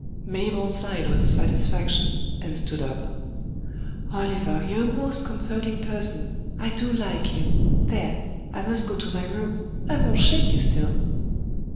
Mabel sighed with satisfaction and stood up. "Oliver, you're a most comforting person. I do like you! There! I must go to my room: I'm all shaky still."